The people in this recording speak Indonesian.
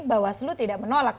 bawaslu tidak menolak